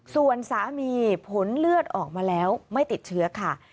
ส่วนสามีผลเลือดออกมาแล้วไม่ติดเชื้อค่ะ